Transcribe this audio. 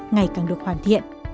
ngày càng được hoàn thiện